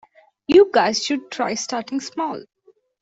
You guys should try starting small.